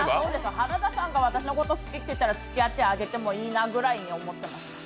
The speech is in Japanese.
原田さんが私のこと好きって言ったら、つきあってあげてもいいなぐらいに思っていました。